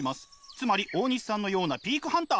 つまり大西さんのようなピークハンター。